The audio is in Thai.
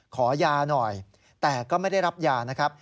ขอยาหน่อยแต่ก็ไม่ได้รับยานะครับ